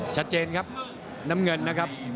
ชัดเจนครับน้ำเงินนะครับ